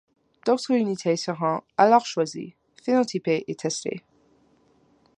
D’autres unités seront alors choisies, phénotypées et testées.